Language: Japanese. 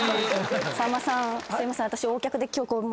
さんまさんすいません。